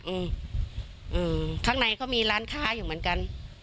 อืมอืมข้างในก็มีร้านค้าอยู่เหมือนกัน